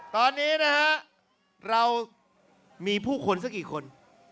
ตอนนี้นะฮะเรามีผู้คนสักกี่คน